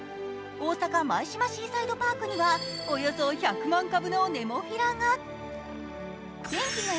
大阪まいしまシーサイドパークにはおよそ１００万株のネモフィラが。